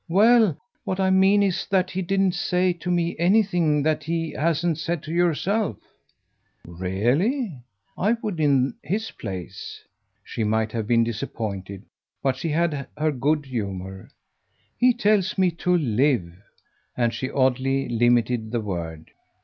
"Well, what I mean is that he didn't say to me anything that he hasn't said to yourself." "Really? I would in his place!" She might have been disappointed, but she had her good humour. "He tells me to LIVE" and she oddly limited the word.